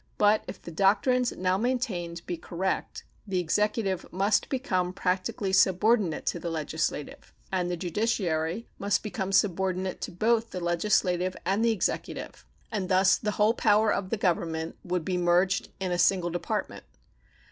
But if the doctrines now maintained be correct, the executive must become practically subordinate to the legislative, and the judiciary must become subordinate to both the legislative and the executive; and thus the whole power of the Government would be merged in a single department.